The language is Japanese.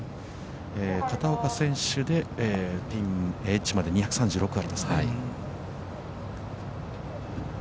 片岡選手でエッジまで２３６あるんですね。